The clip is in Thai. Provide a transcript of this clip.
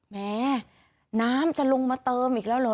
แม้น้ำจะลงมาเติมอีกแล้วเหรอ